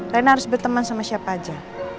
rena harus berteman sama siapa aja